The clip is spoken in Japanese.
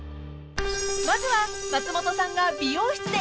［まずは松本さんが美容室で］